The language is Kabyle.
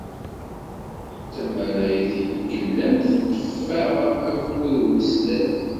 D tamarayt i yellan teṭṭef-aɣ akud n umeslay.